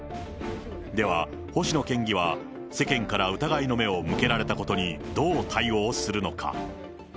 では、星野県議は世間から疑いの目を向けられたことにどう対応するのか。